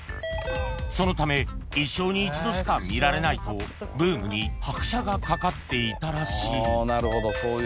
［そのため一生に一度しか見られないとブームに拍車がかかっていたらしい］